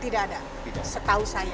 tidak ada setahu saya tidak ada